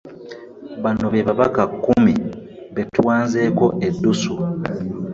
Bano be babaka kkumi be tuwanzeeko eddusu.